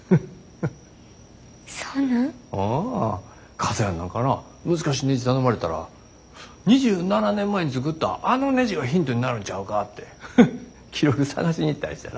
笠やんなんかな難しねじ頼まれたら２７年前に作ったあのねじがヒントになるんちゃうかて記録捜しに行ったりしてな。